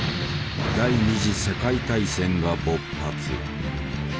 第二次世界大戦が勃発。